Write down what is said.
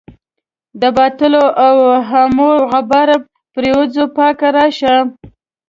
د باطلو اوهامو غبار پرېوځي پاکه راشه.